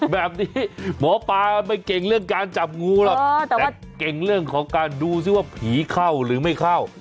แบบนี้หมอปลาไม่เก่งเรื่องการจับงูหรอกแต่เก่งเรื่องของการดูซิว่าผีเข้าหรือไม่เข้า